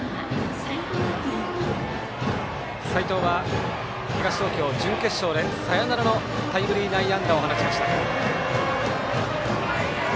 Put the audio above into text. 齊藤は東東京準決勝でサヨナラのタイムリー内野安打を放ちました。